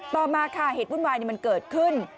ต่อมาค่ะเหตุวุ่นวายมันเกิดขึ้น